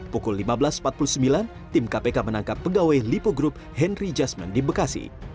pukul lima belas empat puluh sembilan tim kpk menangkap pegawai lipo group henry jasman di bekasi